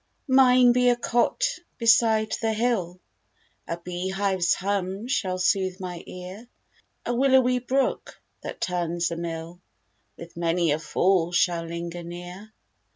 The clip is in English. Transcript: Mine be a cot beside the hill, A bee hive's hum shall sooth my ear; A willowy brook, that turns a mill, With many a fall shall linger near.